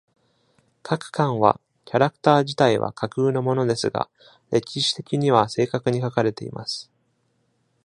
各巻は、キャラクター自体は架空のものですが、歴史的には正確に書かれています。